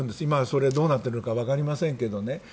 今はそれがどうなっているか分かりませんが。